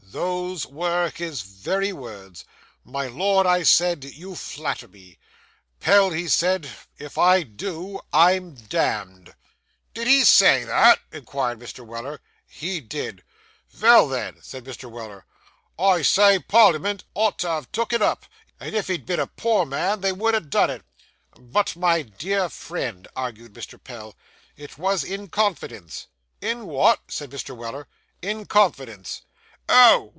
Those were his very words. "My Lord," I said, "you flatter me." "Pell," he said, "if I do, I'm damned."' 'Did he say that?' inquired Mr. Weller. 'He did,' replied Pell. 'Vell, then,' said Mr. Weller, 'I say Parliament ought to ha' took it up; and if he'd been a poor man, they would ha' done it.' 'But, my dear friend,' argued Mr. Pell, 'it was in confidence.' 'In what?' said Mr. Weller. 'In confidence.' 'Oh!